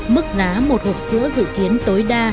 mức giá một hộp sữa dự kiến tối đa